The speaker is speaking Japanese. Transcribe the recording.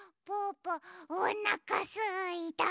ぽおなかすいた！